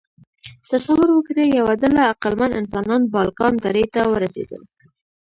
تصور وکړئ، یوه ډله عقلمن انسانان بالکان درې ته ورسېدل.